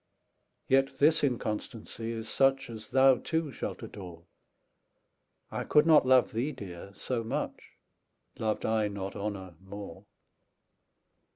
Yet this inconstancy is such As thou too shalt adore; 10 I could not love thee, Dear, so much, Loved I not Honour more.